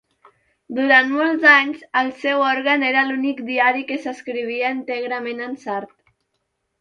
Durant molts anys, el seu òrgan era l'únic diari que s'escrivia íntegrament en sard.